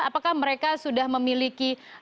apakah mereka sudah memiliki